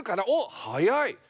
おっ早い！